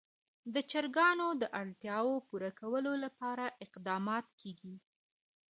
د چرګانو د اړتیاوو پوره کولو لپاره اقدامات کېږي.